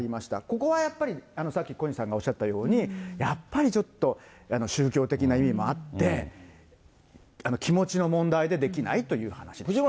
ここはやっぱり、さっき小西さんがおっしゃったように、やっぱりちょっと宗教的な意味もあって、気持ちの問題でできないという話でした。